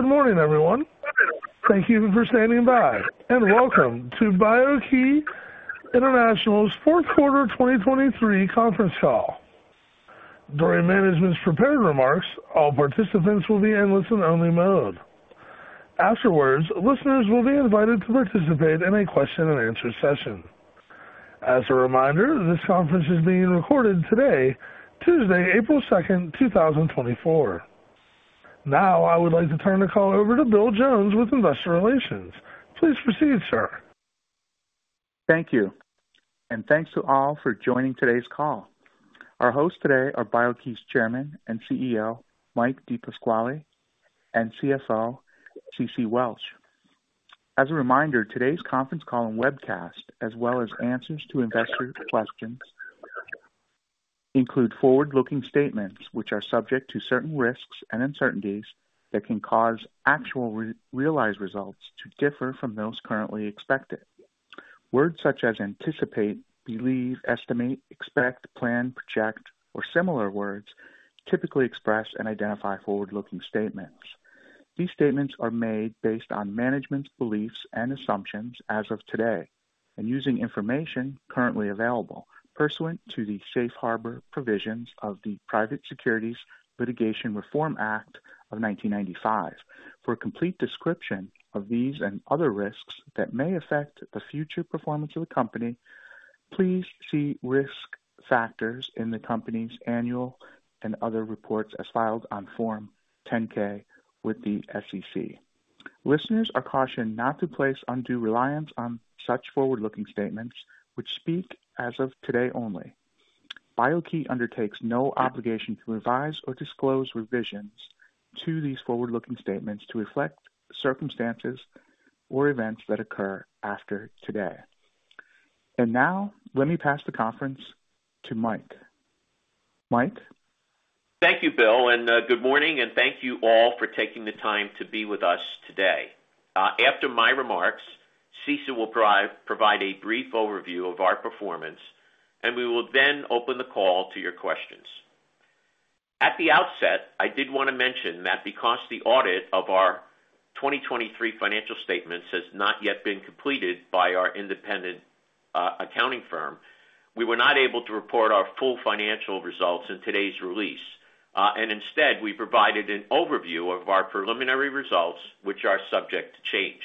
Good morning, everyone. Thank you for standing by, and welcome to BIO-key International's Q4 2023 conference call. During management's prepared remarks, all participants will be in listen-only mode. Afterwards, listeners will be invited to participate in a Q&A session. As a reminder, this conference is being recorded today, Tuesday, April 2nd, 2024. Now, I would like to turn the call over to Bill Jones with Investor Relations. Please proceed, sir. Thank you, and thanks to all for joining today's call. Our hosts today are BIO-key's Chairman and Mike DePasquale, and CFO, Cecilia Welch. As a reminder, today's conference call and webcast, as well as answers to investor questions, include forward-looking statements which are subject to certain risks and uncertainties that can cause actual realized results to differ from those currently expected. Words such as anticipate, believe, estimate, expect, plan, project, or similar words, typically express and identify forward-looking statements. These statements are made based on management's beliefs and assumptions as of today, and using information currently available, pursuant to the safe harbor provisions of the Private Securities Litigation Reform Act of 1995. For a complete description of these and other risks that may affect the future performance of the company, please see risk factors in the company's annual and other reports as filed on Form 10-K with the SEC. Listeners are cautioned not to place undue reliance on such forward-looking statements, which speak as of today only. BIO-key undertakes no obligation to revise or disclose revisions to these forward-looking statements to reflect circumstances or events that occur after today. And now, let me pass the conference to Mike DePasquale. Mike DePasquale? Thank you, Bill Jones, and good morning, and thank you all for taking the time to be with us today. After my remarks, Cecilia Welch will provide a brief overview of our performance, and we will then open the call to your questions. At the outset, I did want to mention that because the audit of our 2023 financial statements has not yet been completed by our independent accounting firm, we were not able to report our full financial results in today's release. And instead, we provided an overview of our preliminary results, which are subject to change.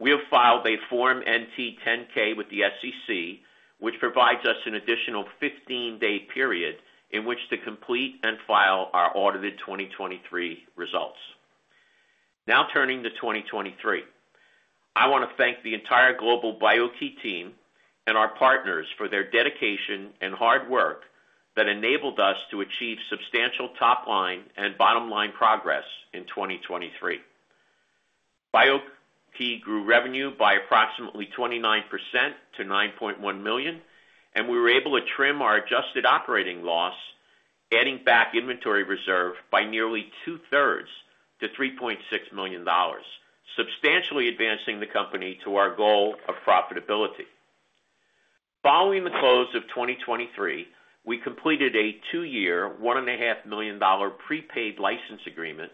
We have filed a Form NT-10K with the SEC, which provides us an additional 15-day period in which to complete and file our audited 2023 results. Now, turning to 2023. I want to thank the entire global BIO-key team and our partners for their dedication and hard work that enabled us to achieve substantial top line and bottom line progress in 2023. BIO-key grew revenue by approximately 29% to $9.1 million, and we were able to trim our adjusted operating loss, adding back inventory reserve by nearly 2/3 to $3.6 million, substantially advancing the company to our goal of profitability. Following the close of 2023, we completed a two-year, $1.5 million prepaid license agreement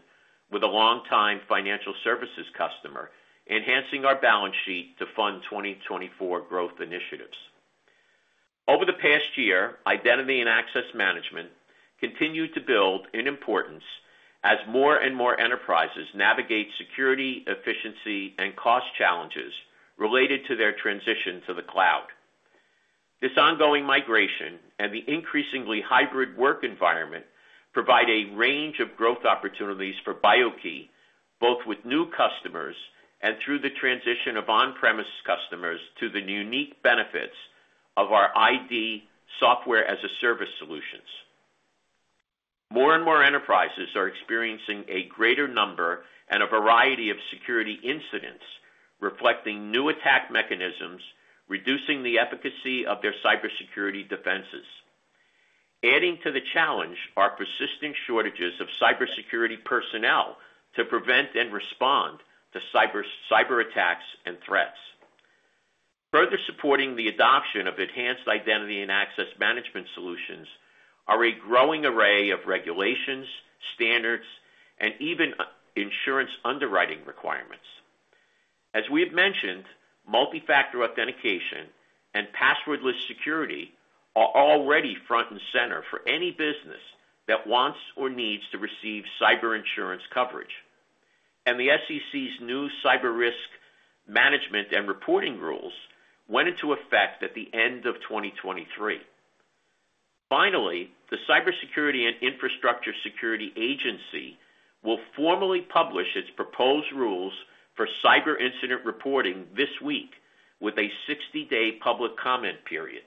with a longtime financial services customer, enhancing our balance sheet to fund 2024 growth initiatives. Over the past year, identity and access management continued to build in importance as more and more enterprises navigate security, efficiency, and cost challenges related to their transition to the cloud. This ongoing migration and the increasingly hybrid work environment provide a range of growth opportunities for BIO-key, both with new customers and through the transition of on-premise customers to the unique benefits of our ID software as a service solutions. More and more enterprises are experiencing a greater number and a variety of security incidents, reflecting new attack mechanisms, reducing the efficacy of their cybersecurity defenses. Adding to the challenge are persistent shortages of cybersecurity personnel to prevent and respond to cyber, cyberattacks and threats. Further supporting the adoption of enhanced identity and access management solutions are a growing array of regulations, standards, and even insurance underwriting requirements. As we have mentioned, multifactor authentication and password-less security are already front and center for any business that wants or needs to receive cyber insurance coverage. The SEC's new cyber risk management and reporting rules went into effect at the end of 2023. Finally, the Cybersecurity and Infrastructure Security Agency will formally publish its proposed rules for cyber incident reporting this week with a 60-day public comment period.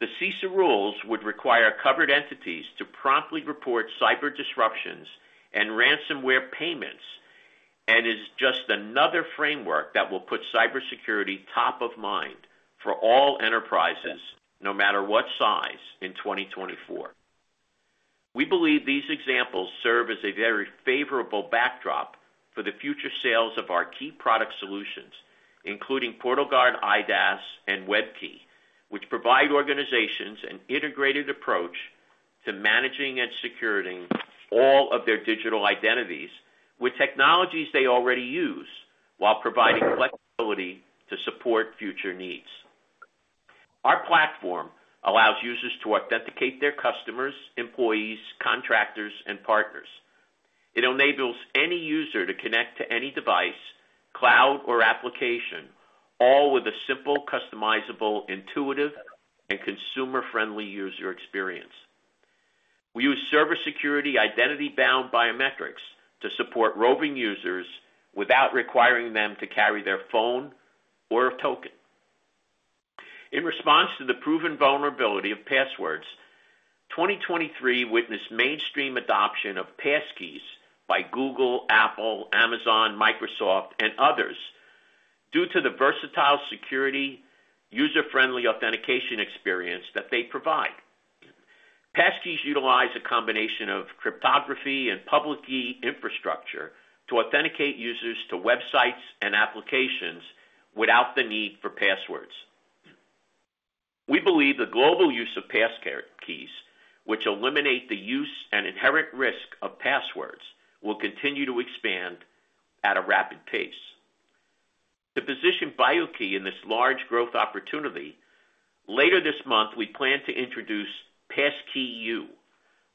The CISA rules would require covered entities to promptly report cyber disruptions and ransomware payments, and is just another framework that will put cybersecurity top of mind for all enterprises, no matter what size, in 2024. We believe these examples serve as a very favorable backdrop for the future sales of our key product solutions, including PortalGuard IDaaS and WEB-key, which provide organizations an integrated approach to managing and securing all of their digital identities with technologies they already use, while providing flexibility to support future needs. Our platform allows users to authenticate their customers, employees, contractors, and partners. It enables any user to connect to any device, cloud, or application, all with a simple, customizable, intuitive, and consumer-friendly user experience. We use server security Identity-Bound Biometrics to support roving users without requiring them to carry their phone or a token. In response to the proven vulnerability of passwords, 2023 witnessed mainstream adoption of passkeys by Google, Apple, Amazon, Microsoft, and others due to the versatile security, user-friendly authentication experience that they provide. Passkeys utilize a combination of cryptography and public key infrastructure to authenticate users to websites and applications without the need for passwords. We believe the global use of passkeys, which eliminate the use and inherent risk of passwords, will continue to expand at a rapid pace. To position BIO-key in this large growth opportunity, later this month, we plan to introduce Passkey:YOU,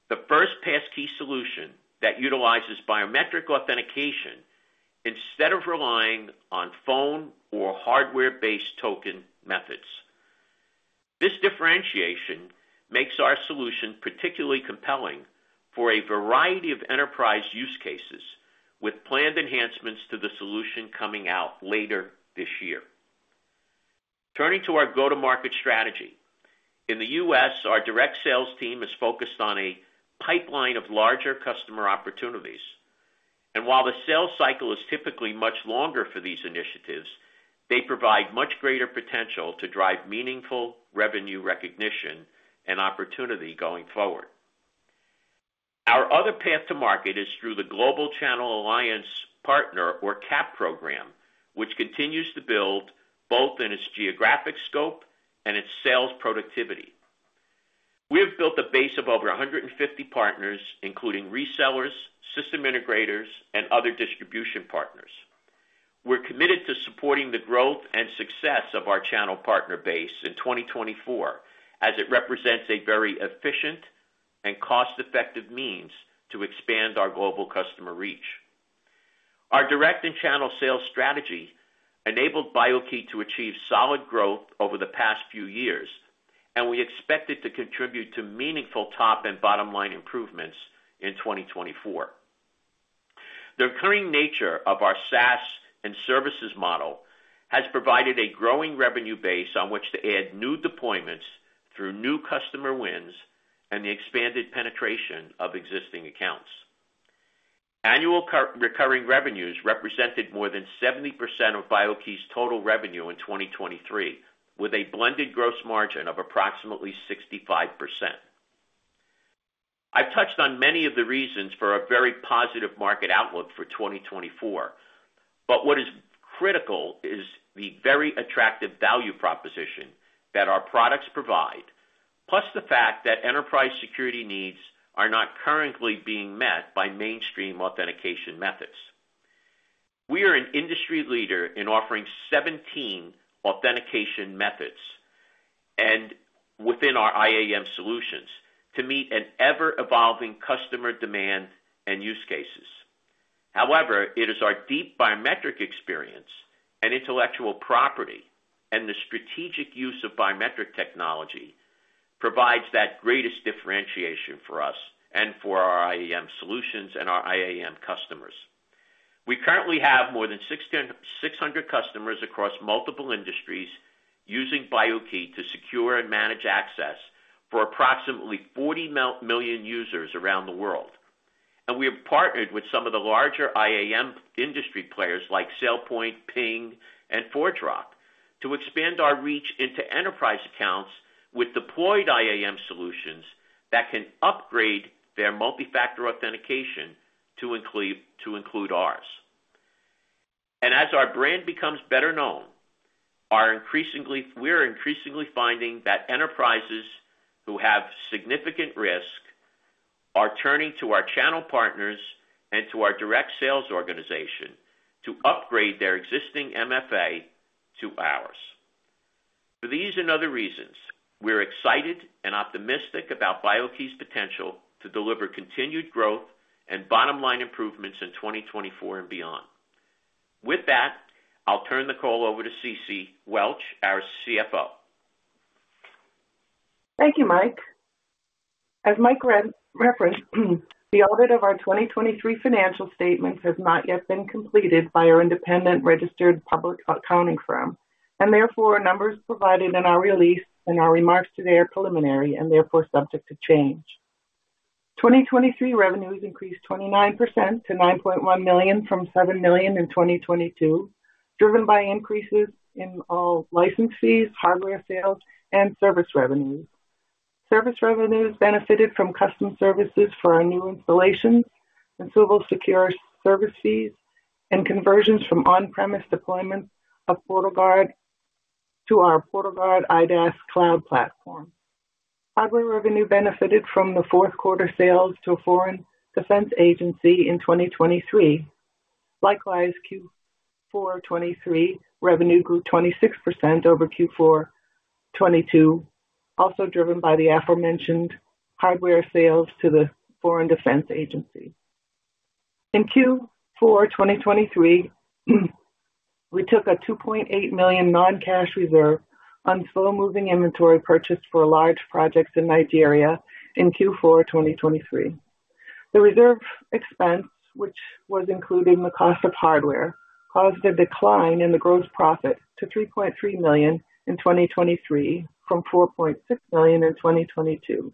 the first passkey solution that utilizes biometric authentication instead of relying on phone or hardware-based token methods. This differentiation makes our solution particularly compelling for a variety of enterprise use cases, with planned enhancements to the solution coming out later this year. Turning to our go-to-market strategy. In the U.S., our direct sales team is focused on a pipeline of larger customer opportunities, and while the sales cycle is typically much longer for these initiatives, they provide much greater potential to drive meaningful revenue recognition and opportunity going forward. Our other path to market is through the Global Channel Alliance Partner, or CAP program, which continues to build both in its geographic scope and its sales productivity. We have built a base of over 150 partners, including resellers, system integrators, and other distribution partners. We're committed to supporting the growth and success of our channel partner base in 2024, as it represents a very efficient and cost-effective means to expand our global customer reach. Our direct and channel sales strategy enabled BIO-key to achieve solid growth over the past few years, and we expect it to contribute to meaningful top and bottom-line improvements in 2024. The recurring nature of our SaaS and services model has provided a growing revenue base on which to add new deployments through new customer wins and the expanded penetration of existing accounts. Annual recurring revenues represented more than 70% of BIO-key's total revenue in 2023, with a blended gross margin of approximately 65%. I've touched on many of the reasons for a very positive market outlook for 2024, but what is critical is the very attractive value proposition that our products provide, plus the fact that enterprise security needs are not currently being met by mainstream authentication methods. We are an industry leader in offering 17 authentication methods and within our IAM solutions to meet an ever-evolving customer demand and use cases. However, it is our deep biometric experience and intellectual property, and the strategic use of biometric technology, provides that greatest differentiation for us and for our IAM solutions and our IAM customers. We currently have more than 6,600 customers across multiple industries using BIO-key to secure and manage access for approximately 40 million users around the world. We have partnered with some of the larger IAM industry players like SailPoint, Ping, and ForgeRock, to expand our reach into enterprise accounts with deployed IAM solutions that can upgrade their multifactor authentication to include ours. And as our brand becomes better known, we are increasingly finding that enterprises who have significant risk are turning to our channel partners and to our direct sales organization to upgrade their existing MFA to ours. For these and other reasons, we're excited and optimistic about BIO-key's potential to deliver continued growth and bottom-line improvements in 2024 and beyond. With that, I'll turn the call over to Cecilia Welch, our CFO. Thank you, Mike DePasquale. As Mike DePasquale re-referenced, the audit of our 2023 financial statements has not yet been completed by our independent registered public accounting firm, and therefore, numbers provided in our release and our remarks today are preliminary and therefore subject to change. 2023 revenues increased 29% to $9.1 million from $7 million in 2022, driven by increases in all license fees, hardware sales, and service revenues. Service revenues benefited from custom services for our new installations and Swivel Secure service fees and conversions from on-premise deployments of PortalGuard to our PortalGuard IDaaS cloud platform. Hardware revenue benefited from the Q4 sales to a foreign defense agency in 2023. Likewise, Q4 2023 revenue grew 26% over Q4 2022, also driven by the aforementioned hardware sales to the foreign defense agency. In Q4 2023, we took a $2.8 million non-cash reserve on slow-moving inventory purchased for large projects in Nigeria in Q4 2023. The reserve expense, which was included in the cost of hardware, caused a decline in the gross profit to $3.3 million in 2023 from $4.6 million in 2022.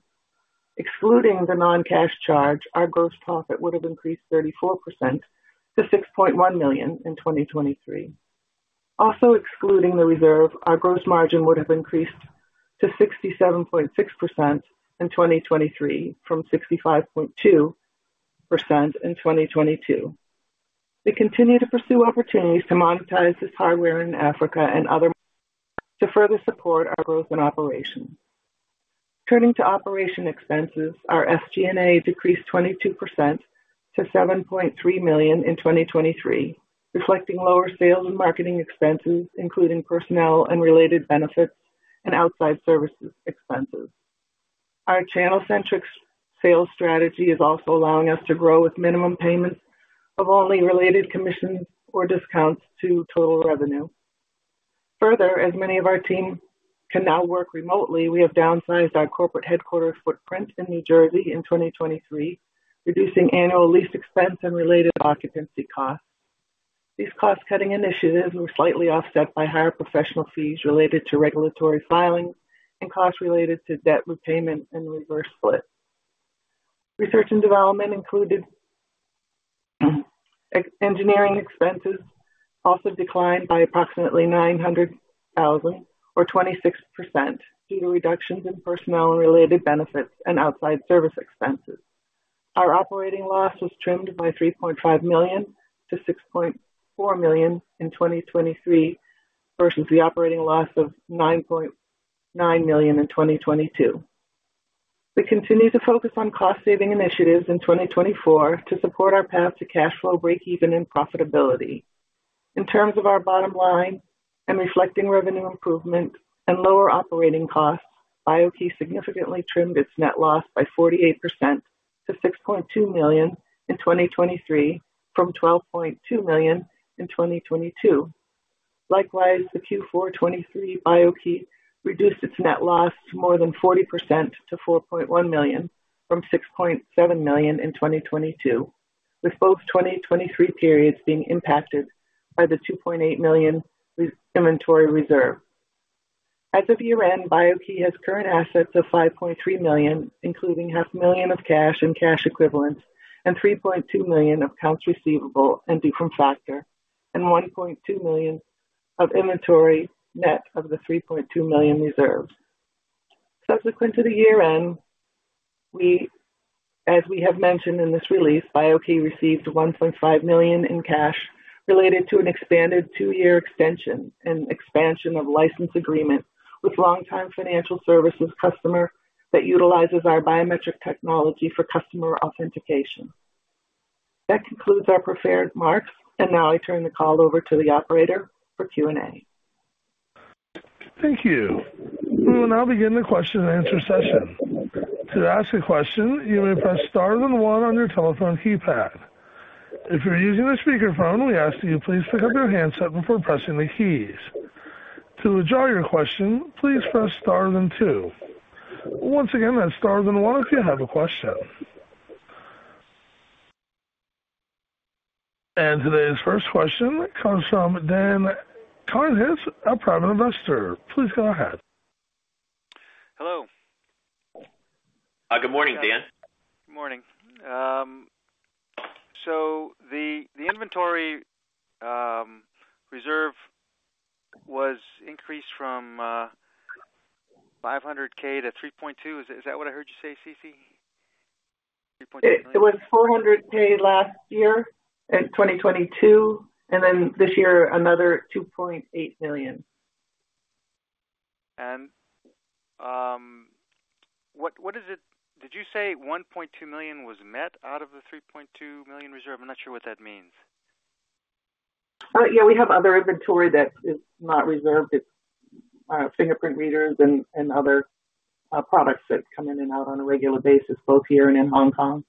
Excluding the non-cash charge, our gross profit would have increased 34% to $6.1 million in 2023. Also excluding the reserve, our gross margin would have increased to 67.6% in 2023 from 65.2% in 2022. We continue to pursue opportunities to monetize this hardware in Africa and other, to further support our growth and operations. Turning to operating expenses, our SG&A decreased 22% to $7.3 million in 2023, reflecting lower sales and marketing expenses, including personnel and related benefits and outside services expenses. Our channel-centric sales strategy is also allowing us to grow with minimum payments of only related commissions or discounts to total revenue. Further, as many of our team can now work remotely, we have downsized our corporate headquarters footprint in New Jersey in 2023, reducing annual lease expense and related occupancy costs. These cost-cutting initiatives were slightly offset by higher professional fees related to regulatory filings and costs related to debt repayment and reverse split. Research and development, including engineering expenses, also declined by approximately 900,000 or 26%, due to reductions in personnel and related benefits and outside service expenses. Our operating loss was trimmed by $3.5 million to $6.4 million in 2023, versus the operating loss of $9.9 million in 2022. We continue to focus on cost-saving initiatives in 2024 to support our path to cash flow breakeven and profitability. In terms of our bottom line and reflecting revenue improvement and lower operating costs, BIO-key significantly trimmed its net loss by 48% to $6.2 million in 2023, from $12.2 million in 2022. Likewise, the Q4 2023, BIO-key reduced its net loss to more than 40% to $4.1 million from $6.7 million in 2022, with both 2023 periods being impacted by the $2.8 million re-inventory reserve. As of year-end, BIO-key has current assets of $5.3 million, including $0.5 million of cash and cash equivalents, and $3.2 million of accounts receivable and due from factor, and $1.2 million of inventory, net of the $3.2 million reserves. Subsequent to the year-end, we, as we have mentioned in this release, BIO-key received $1.5 million in cash related to an expanded two-year extension and expansion of license agreement with longtime financial services customer that utilizes our biometric technology for customer authentication. That concludes our prepared remarks, and now I turn the call over to the operator for Q&A. Thank you. We will now begin the Q&A session. To ask a question, you may press Star then one on your telephone keypad. If you're using a speakerphone, we ask that you please pick up your handset before pressing the keys. To withdraw your question, please press Star, then two. Once again, that's Star then one if you have a question. And today's first question comes from Dan Conhaim, a private investor. Please go ahead. Hello. Good morning, Dan Conhaim. Good morning. So the inventory reserve was increased from $500K to $3.2M. Is that what I heard you say, Cecilia Welch? 3.2M? It was $400,000 last year in 2022, and then this year, another $2.8 million. What, what is it? Did you say $1.2 million was net out of the $3.2 million reserve? I'm not sure what that means. Yeah, we have other inventory that is not reserved. It's fingerprint readers and other products that come in and out on a regular basis, both here and in Hong Kong.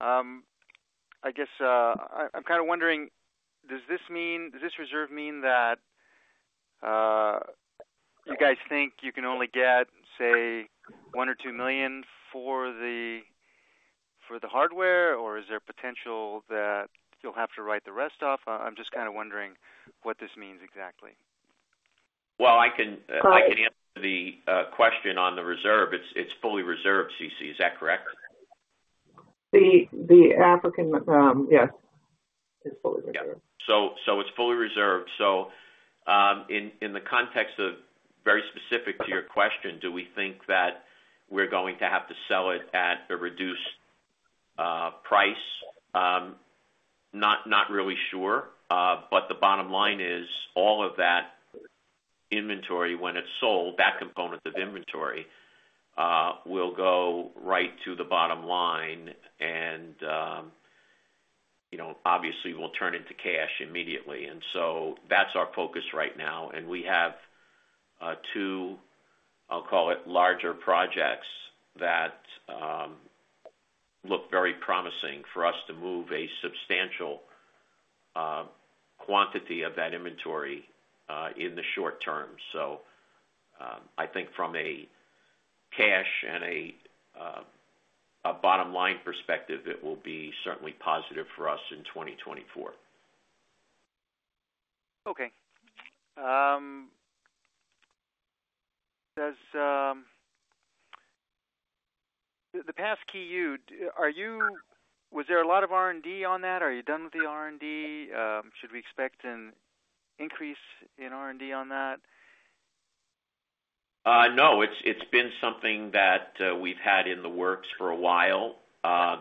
I guess, I'm kind of wondering, does this mean, does this reserve mean that you guys think you can only get, say, $1 million or $2 million for the hardware, or is there potential that you'll have to write the rest off? I'm just kind of wondering what this means exactly. Well, I can- Go ahead. I can answer the question on the reserve. It's fully reserved, Cecilia Welch. Is that correct? ...The African, yes, it's fully reserved. So, it's fully reserved. So, in the context of very specific to your question, do we think that we're going to have to sell it at a reduced price? Not really sure. But the bottom line is all of that inventory, when it's sold, that component of inventory, will go right to the bottom line, and, you know, obviously, will turn into cash immediately. And so that's our focus right now. And we have, two, I'll call it, larger projects that, look very promising for us to move a substantial, quantity of that inventory, in the short term. So, I think from a cash and a, a bottom line perspective, it will be certainly positive for us in 2024. Okay. Does the Passkey:YOU, was there a lot of R&D on that? Are you done with the R&D? Should we expect an increase in R&D on that? No, it's, it's been something that we've had in the works for a while.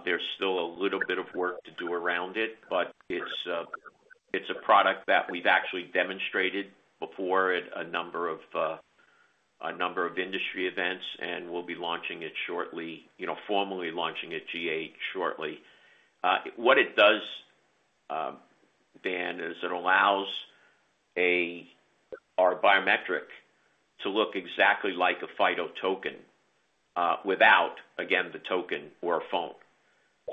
There's still a little bit of work to do around it, but it's a product that we've actually demonstrated before at a number of industry events, and we'll be launching it shortly, you know, formally launching at GA shortly. What it does, Dan Conhaim, is it allows our biometric to look exactly like a FIDO token, without, again, the token or a phone.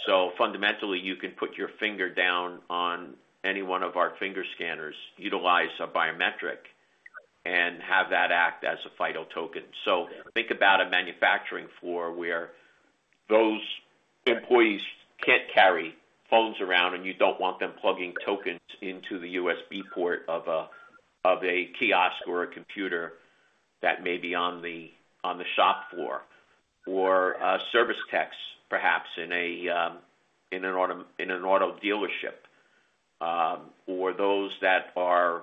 So fundamentally, you can put your finger down on any one of our finger scanners, utilize a biometric, and have that act as a FIDO token. So think about a manufacturing floor where those employees can't carry phones around, and you don't want them plugging tokens into the USB port of a kiosk or a computer that may be on the shop floor, or service techs, perhaps in an auto dealership, or those that are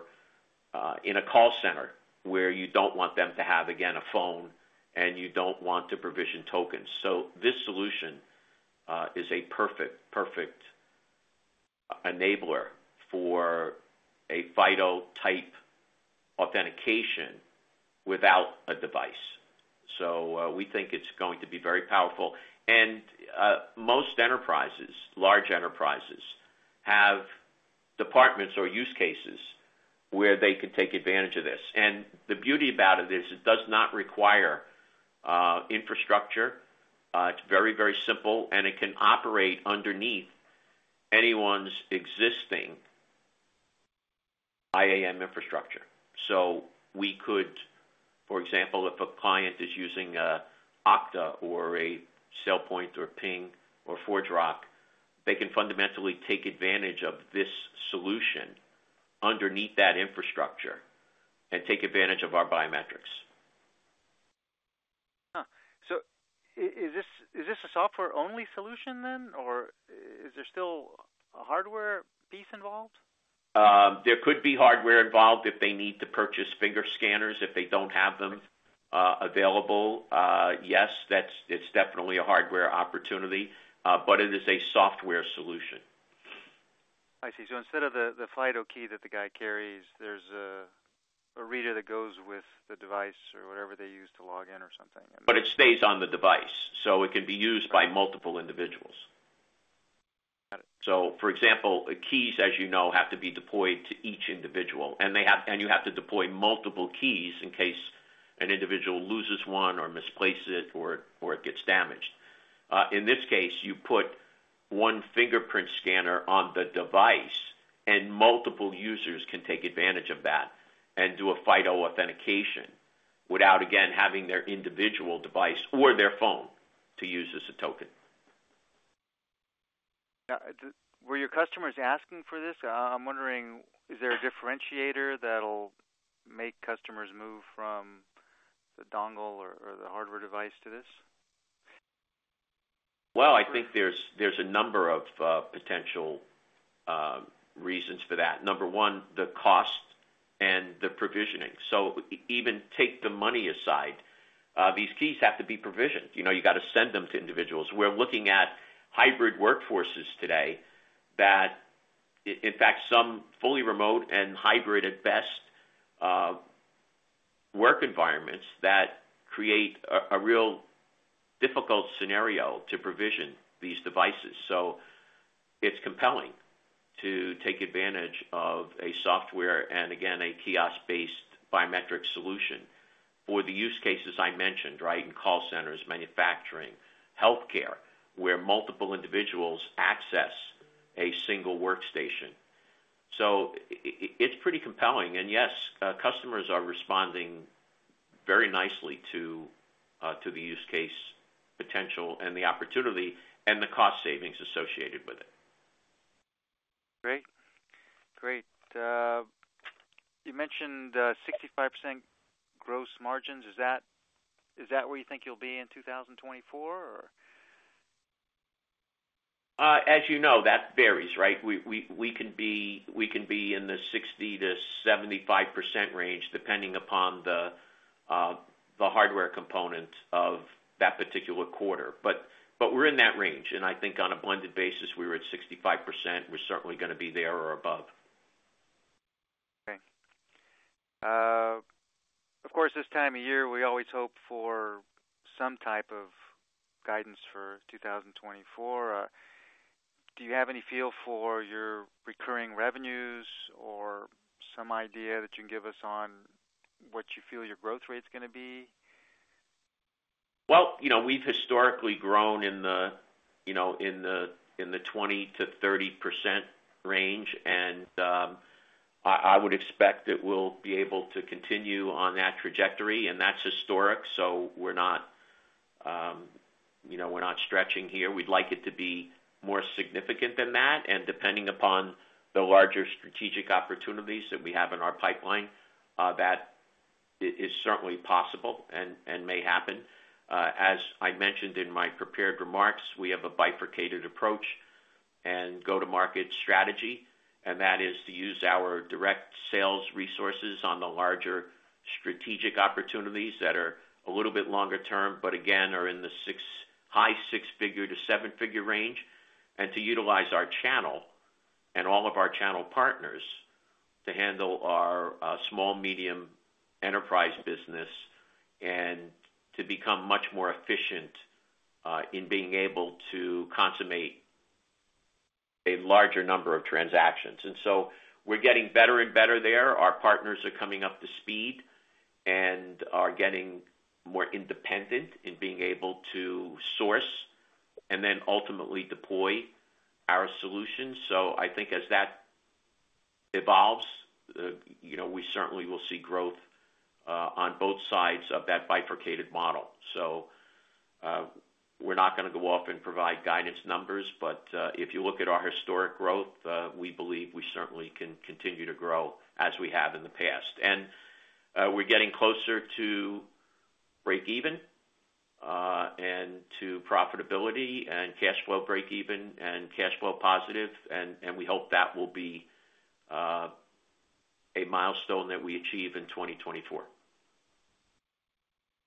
in a call center where you don't want them to have, again, a phone, and you don't want to provision tokens. So this solution is a perfect enabler for a FIDO-type authentication without a device. So we think it's going to be very powerful. And most enterprises, large enterprises, have departments or use cases where they can take advantage of this. And the beauty about it is, it does not require infrastructure. It's very, very simple, and it can operate underneath anyone's existing IAM infrastructure. So we could... For example, if a client is using a Okta or a SailPoint or Ping or ForgeRock, they can fundamentally take advantage of this solution underneath that infrastructure and take advantage of our biometrics. So is this, is this a software-only solution then, or is there still a hardware piece involved? There could be hardware involved if they need to purchase finger scanners, if they don't have them available. Yes, it's definitely a hardware opportunity, but it is a software solution. I see. So instead of the FIDO-key that the guy carries, there's a reader that goes with the device or whatever they use to log in or something. But it stays on the device, so it can be used by multiple individuals. Got it. So for example, keys, as you know, have to be deployed to each individual, and you have to deploy multiple keys in case an individual loses one or misplaces it, or it gets damaged. In this case, you put one fingerprint scanner on the device, and multiple users can take advantage of that and do a FIDO authentication without, again, having their individual device or their phone to use as a token. Now, were your customers asking for this? I'm wondering, is there a differentiator that'll make customers move from the dongle or, or the hardware device to this? Well, I think there's a number of potential reasons for that. Number one, the cost and the provisioning. So even take the money aside, these keys have to be provisioned. You know, you got to send them to individuals. We're looking at hybrid workforces today that, in fact, some fully remote and hybrid at best, work environments that create a real difficult scenario to provision these devices. So it's compelling to take advantage of a software and again, a kiosk-based biometric solution for the use cases I mentioned, right? In call centers, manufacturing, healthcare, where multiple individuals access a single workstation. So it's pretty compelling. And yes, customers are responding very nicely to the use case potential and the opportunity and the cost savings associated with it.... Great. Great. You mentioned 65% gross margins. Is that, is that where you think you'll be in 2024, or? As you know, that varies, right? We can be in the 60%-75% range, depending upon the hardware component of that particular quarter. But we're in that range, and I think on a blended basis, we were at 65%. We're certainly gonna be there or above. Okay. Of course, this time of year, we always hope for some type of guidance for 2024. Do you have any feel for your recurring revenues or some idea that you can give us on what you feel your growth rate's gonna be? Well, you know, we've historically grown in the 20%-30% range, and I would expect that we'll be able to continue on that trajectory, and that's historic, so we're not, you know, we're not stretching here. We'd like it to be more significant than that, and depending upon the larger strategic opportunities that we have in our pipeline, that is certainly possible and may happen. As I mentioned in my prepared remarks, we have a bifurcated approach and go-to-market strategy, and that is to use our direct sales resources on the larger strategic opportunities that are a little bit longer-term, but again, are in the high six-figure to seven-figure range, and to utilize our channel and all of our channel partners to handle our small, medium enterprise business and to become much more efficient in being able to consummate a larger number of transactions. And so we're getting better and better there. Our partners are coming up to speed and are getting more independent in being able to source and then ultimately deploy our solutions. So I think as that evolves, you know, we certainly will see growth on both sides of that bifurcated model. We're not gonna go off and provide guidance numbers, but if you look at our historic growth, we believe we certainly can continue to grow as we have in the past. We're getting closer to breakeven, and to profitability and cash flow breakeven and cash flow positive, and we hope that will be a milestone that we achieve in 2024.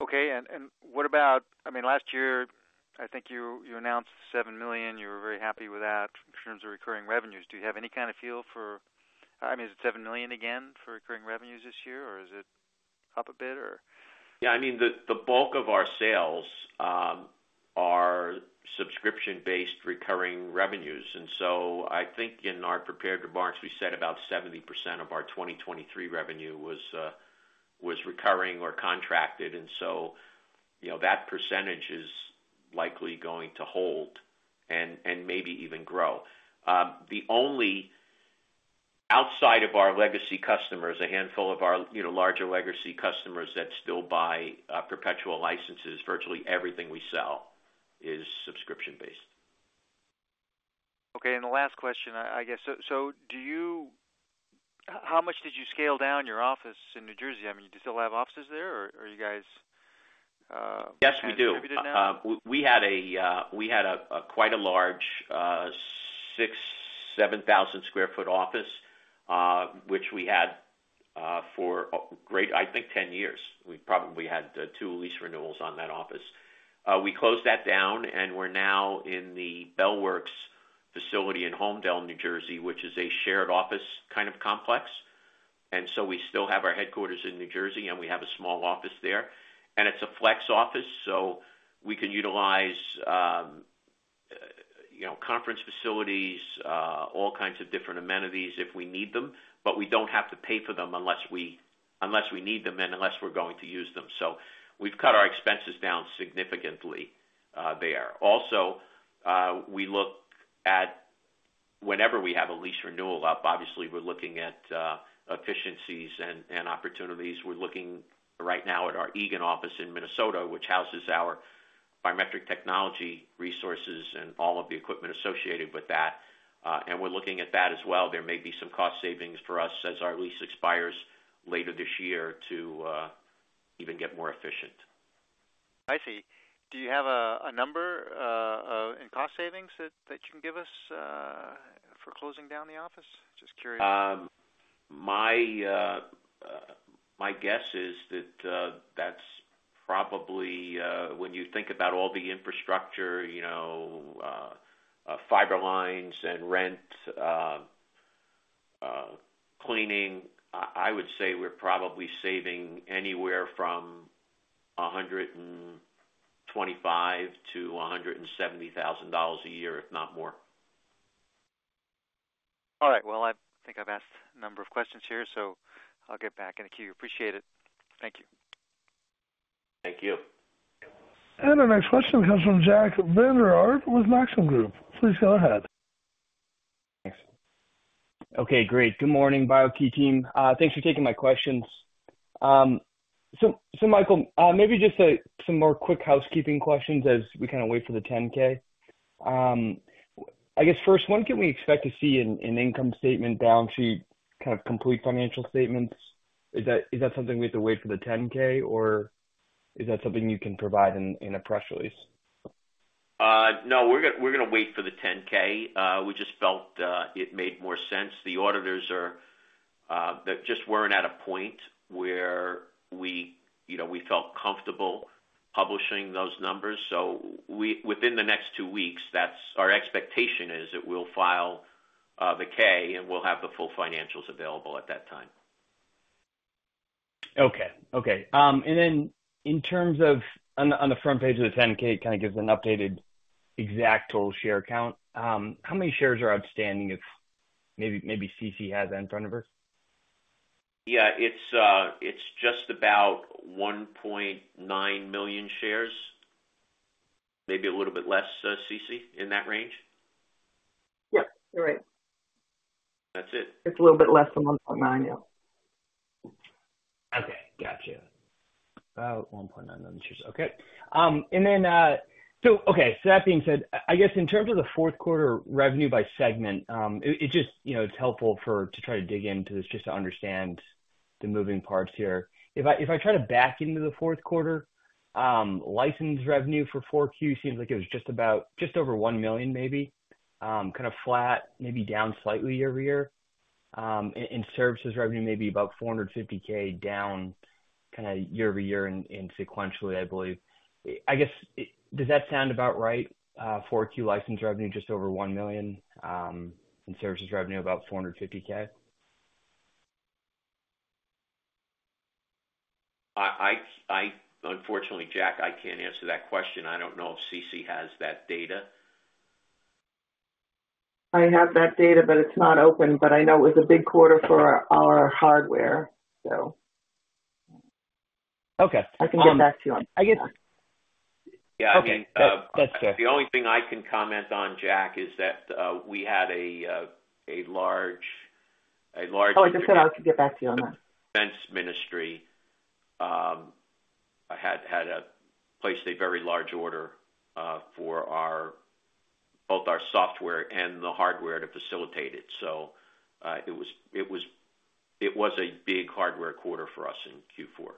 Okay. And, and what about... I mean, last year, I think you, you announced $7 million. You were very happy with that in terms of recurring revenues. Do you have any kind of feel for, I mean, is it $7 million again for recurring revenues this year, or is it up a bit, or? Yeah, I mean, the bulk of our sales are subscription-based recurring revenues, and so I think in our prepared remarks, we said about 70% of our 2023 revenue was recurring or contracted, and so, you know, that percentage is likely going to hold and maybe even grow. The only outside of our legacy customers, a handful of our larger legacy customers that still buy perpetual licenses, virtually everything we sell is subscription-based. Okay, and the last question, I guess, so how much did you scale down your office in New Jersey? I mean, do you still have offices there, or are you guys kind of distributed now? Yes, we do. We had a quite a large 6,000 sq ft-7,000 sq ft office, which we had for great, I think 10 years. We probably had two lease renewals on that office. We closed that down, and we're now in the Bell Works facility in Holmdel, New Jersey, which is a shared office kind of complex. So we still have our headquarters in New Jersey, and we have a small office there. And it's a flex office, so we can utilize you know, conference facilities all kinds of different amenities if we need them, but we don't have to pay for them unless we need them and unless we're going to use them. So we've cut our expenses down significantly there. Also, we look at whenever we have a lease renewal up, obviously, we're looking at efficiencies and opportunities. We're looking right now at our Eagan office in Minnesota, which houses our biometric technology, resources, and all of the equipment associated with that. And we're looking at that as well. There may be some cost savings for us as our lease expires later this year to even get more efficient. I see. Do you have a number in cost savings that you can give us for closing down the office? Just curious. My guess is that that's probably when you think about all the infrastructure, you know, fiber lines and rent, cleaning, I would say we're probably saving anywhere from $125,000-$170,000 a year, if not more. All right. Well, I think I've asked a number of questions here, so I'll get back in the queue. Appreciate it. Thank you. Thank you. Our next question comes from Jack Vander Aarde with Maxim Group. Please go ahead. Thanks. Okay, great. Good morning, BIO-key team. Thanks for taking my questions. So, so Mike DePasquale, maybe just some more quick housekeeping questions as we kind of wait for the 10-K. I guess first, when can we expect to see an income statement, balance sheet, kind of complete financial statements? Is that something we have to wait for the 10-K, or is that something you can provide in a press release? No, we're gonna wait for the 10-K. We just felt it made more sense. The auditors are, they just weren't at a point where we, you know, we felt comfortable publishing those numbers. So, within the next two weeks, that's our expectation is that we'll file the 10-K, and we'll have the full financials available at that time. Okay. Okay. And then in terms of on the front page of the 10-K, it kind of gives an updated exact total share count. How many shares are outstanding, if maybe Cecilia Welch has that in front of her? Yeah, it's just about 1.9 million shares. Maybe a little bit less, Cecilia Welch, in that range? Yep, you're right. That's it. It's a little bit less than 1.9, yeah. Okay, gotcha. About 1.9 million shares. Okay. And then, so okay, so that being said, I guess in terms of the Q4 revenue by segment, it just, you know, it's helpful for to try to dig into this just to understand the moving parts here. If I, if I try to back into the Q4, license revenue for 4Q seems like it was just about, just over $1 million maybe, kind of flat, maybe down slightly year-over-year. And services revenue, maybe about $450,000, down kinda year-over-year and sequentially, I believe. I guess, it does that sound about right, 4Q license revenue, just over $1 million, and services revenue, about $450,000? I unfortunately, Jack Vander Aarde, I can't answer that question. I don't know if Cecilia Welch has that data. I have that data, but it's not open. But I know it was a big quarter for our hardware, so. Okay. I can get back to you on that. I guess- Yeah, I mean, That's fair. The only thing I can comment on, Jack Vander Aarde, is that we had a large- Oh, I just said I could get back to you on that. Defense ministry had placed a very large order for both our software and the hardware to facilitate it. So, it was a big hardware quarter for us in Q4.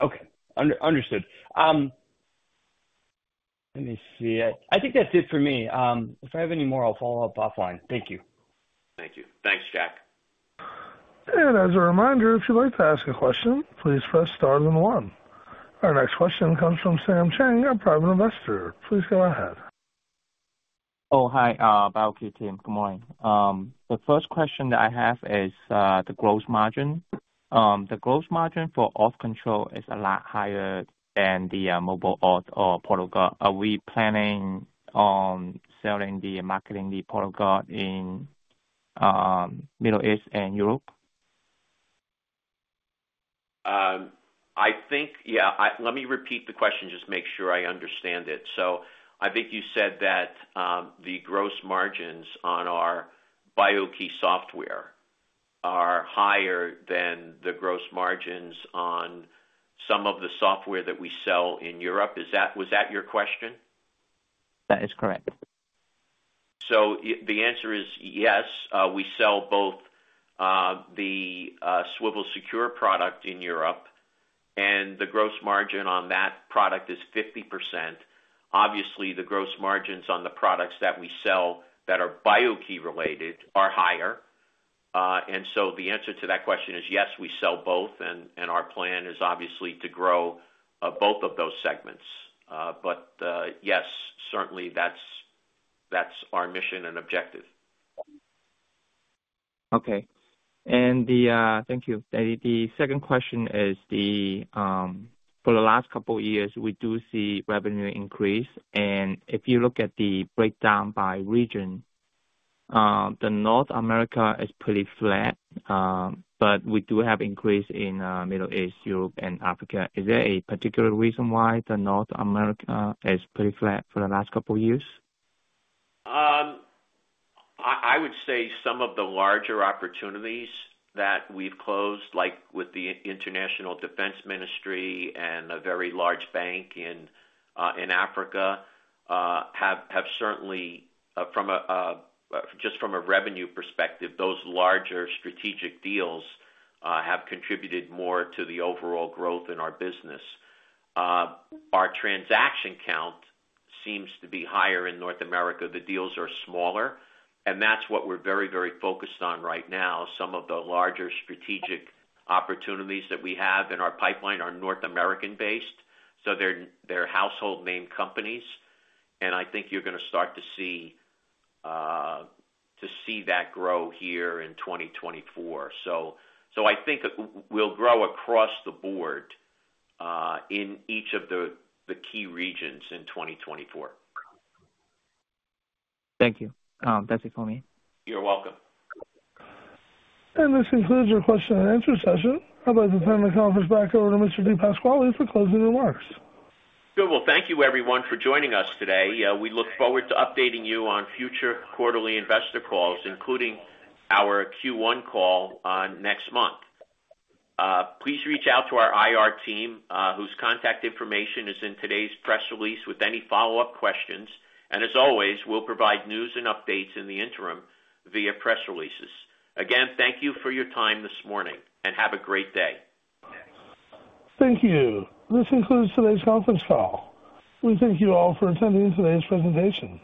Okay, understood. Let me see. I think that's it for me. If I have any more, I'll follow up offline. Thank you. Thank you. Thanks, Jack Vander Aarde. As a reminder, if you'd like to ask a question, please press star then one. Our next question comes from Sam Chang, a private investor. Please go ahead. Oh, hi, BIO-key team. Good morning. The first question that I have is the gross margin. The gross margin for AuthControl is a lot higher than the mobile auth or PortalGuard. Are we planning on selling the, marketing the PortalGuard in Middle East and Europe? I think yeah. Let me repeat the question, just to make sure I understand it. So I think you said that, the gross margins on our BIO-key software are higher than the gross margins on some of the software that we sell in Europe. Is that, was that your question? That is correct. So the answer is yes. We sell both, the Swivel Secure product in Europe, and the gross margin on that product is 50%. Obviously, the gross margins on the products that we sell that are BIO-key related are higher. And so the answer to that question is yes, we sell both, and our plan is obviously to grow both of those segments. But yes, certainly that's our mission and objective. Okay. Thank you. The second question is for the last couple of years, we do see revenue increase, and if you look at the breakdown by region, North America is pretty flat. But we do have increase in Middle East, Europe, and Africa. Is there a particular reason why North America is pretty flat for the last couple of years? I would say some of the larger opportunities that we've closed, like with the International Defense Ministry and a very large bank in Africa, have certainly just from a revenue perspective, those larger strategic deals, have contributed more to the overall growth in our business. Our transaction count seems to be higher in North America. The deals are smaller, and that's what we're very, very focused on right now. Some of the larger strategic opportunities that we have in our pipeline are North American-based, so they're household name companies, and I think you're gonna start to see to see that grow here in 2024. So I think we'll grow across the board, in each of the key regions in 2024. Thank you. That's it for me. You're welcome. This concludes our question and answer session. I'd like to turn the conference back over to Mr. Mike DePasquale for closing remarks. Good. Well, thank you everyone for joining us today. We look forward to updating you on future quarterly investor calls, including our Q1 call, next month. Please reach out to our IR team, whose contact information is in today's press release, with any follow-up questions. And as always, we'll provide news and updates in the interim via press releases. Again, thank you for your time this morning, and have a great day. Thank you. This concludes today's conference call. We thank you all for attending today's presentation.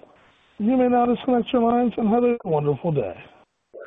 You may now disconnect your lines and have a wonderful day.